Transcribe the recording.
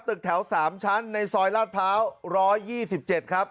ตึกแถว๓ชั้นในซอยลาดพร้าว๑๒๗ครับ